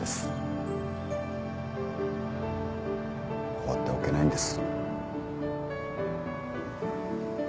放っておけないんです。